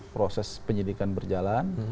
proses penyidikan berjalan